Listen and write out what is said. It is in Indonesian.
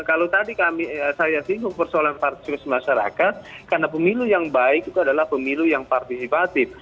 kalau tadi saya singgung persoalan partisipasi masyarakat karena pemilu yang baik itu adalah pemilu yang partisipatif